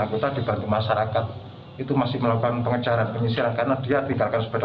anggota dibagi masyarakat itu masih melakukan pengejaran penyisiran karena dia tinggalkan sepeda